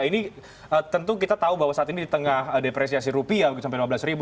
ini tentu kita tahu bahwa saat ini di tengah depresiasi rupiah sampai lima belas ribu